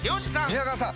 宮川さん